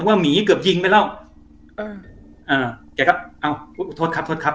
หมีเกือบยิงไปแล้วเอออ่าแกก็เอาโทษครับโทษครับ